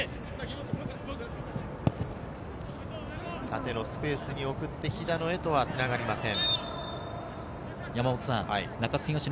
縦のスペースに送って肥田野へとはつながりません。